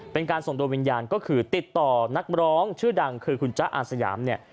เป็นการส่งโดยวิญญาณก็คือติดต่อนักร้องชื่อดังคือคุณจ๊ะอาสยามเนี่ย